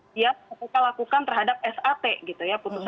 dia lakukan terhadap s a t